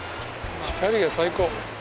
光が最高。